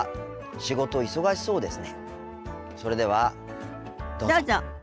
仕事忙しそうですね。